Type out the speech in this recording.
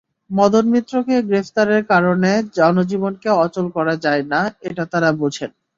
মদন মিত্রকে গ্রেপ্তারের কারণে জনজীবনকে অচল করা যায় না, এটা তাঁরা বোঝেন।